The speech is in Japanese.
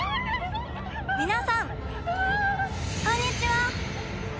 皆さんこんにちは！